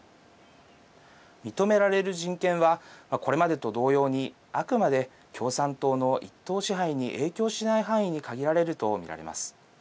認められる人権はこれまでと同様にあくまで共産党の１党支配に影響しない範囲に限られると見られます。